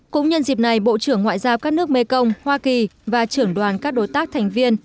cũng nhân dịp này bộ trưởng ngoại giao các nước mekong hoa kỳ và trưởng đoàn các đối tác thành viên